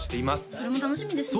それも楽しみですね